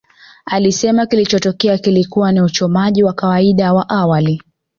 Alisema kilichotokea kilikuwa ni uchomaji wa kawaida wa awali